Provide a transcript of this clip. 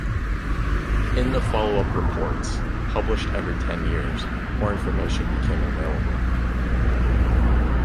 In the follow-up reports, published every ten years, more information became available.